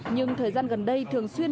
nhưng thời gian gần đây thường xuyên